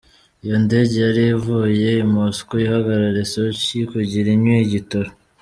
Iyo ndege yari ivuye I Mosco, ihagarara I Sochi kugira inywe igitoro.